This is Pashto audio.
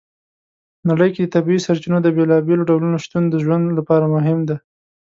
نړۍ کې د طبیعي سرچینو د بېلابېلو ډولو شتون د ژوند لپاره مهم دی.